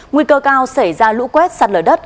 nguy cơ cao xảy ra lũ quét sạt lở đất